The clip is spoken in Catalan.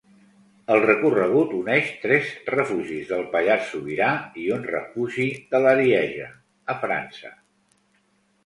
El recorregut uneix tres refugis del Pallars Sobirà i un refugi de l'Arieja, a França.